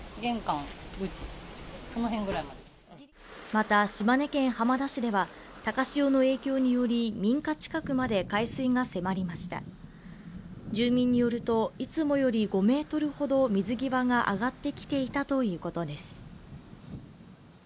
また島根県浜田市では高潮の影響により民家近くまで海水が迫りました住民によるといつもより５ｍほど水際が上がってきていたということです